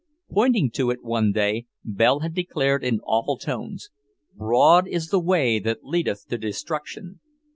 Pointing to it one day, Belle had declared in awful tones, "Broad is the way that leadeth to destruction."